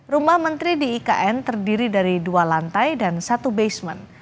rumah menteri di ikn terdiri dari dua lantai dan satu basement